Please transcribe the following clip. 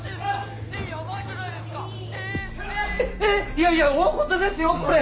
いやいや大ごとですよこれ！